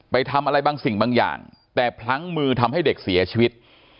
ไปทำอะไรบางสิ่งบางอย่างแต่พลั้งมือทำให้เด็กเสียชีวิต